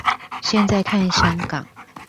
現在看香港